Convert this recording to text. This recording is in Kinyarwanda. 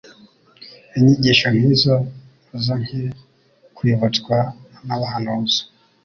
Inyigisho nk'izo zongcye kwibutswa n'Abahanuzi.